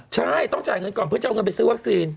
ใช่ต้องจ่ายเงินก่อนเพื่อจะเอาเงินไปซื้อวัคซีน